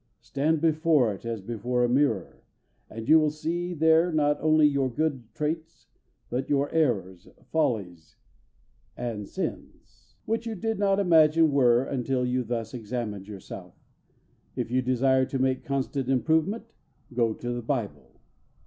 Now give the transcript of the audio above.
Stand before it as before a mirror, and you will see there not only your good traits, but your errors, follies, and sins, which you did not imagine were until you thus examined yourself. If you desire to make constant improvement, go to the Bible.